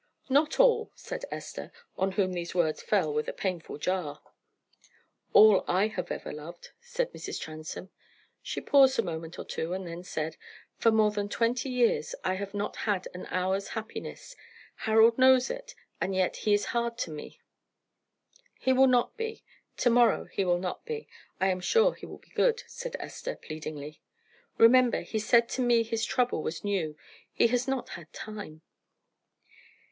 "Not all," said Esther, on whom these words fell with a painful jar. "All I have ever loved," said Mrs. Transome. She paused a moment or two, and then said, "For more than twenty years I have not had an hour's happiness. Harold knows it, and yet he is hard to me." "He will not be. To morrow he will not be. I am sure he will be good," said Esther, pleadingly. "Remember he said to me his trouble was new he has not had time."